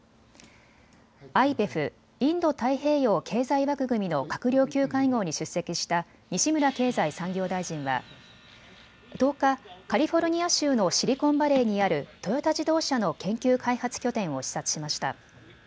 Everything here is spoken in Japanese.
ＩＰＥＦ・インド太平洋経済枠組みの閣僚級会合に出席した西村経済産業大臣は１０日、カリフォルニア州のシリコンバレーにあるトヨタ自動車の研究開発拠点を視察しました。